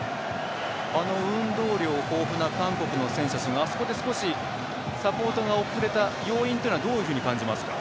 あの運動量豊富な韓国の選手たちが、あそこで少しサポートが遅れた要因というのはどういうふうに感じますか。